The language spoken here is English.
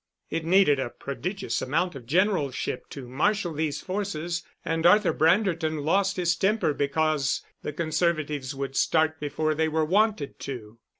It needed a prodigious amount of generalship to marshal these forces, and Arthur Branderton lost his temper because the Conservatives would start before they were wanted to.